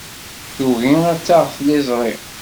Tugi ad taɣ tliẓri.